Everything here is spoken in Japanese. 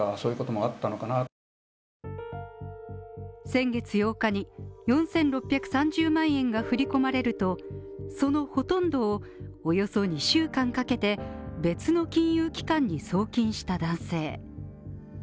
先月８日に４６３０万円が振り込まれると、そのほとんどをおよそ２週間かけて別の金融機関に送金した男性。